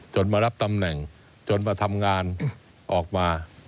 มารับตำแหน่งจนมาทำงานออกมา